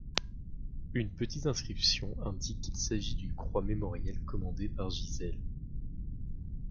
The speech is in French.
Une petite inscription indique qu'il s'agit d'une croix mémorielle commandée par Gisèle.